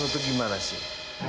untuk gimana sih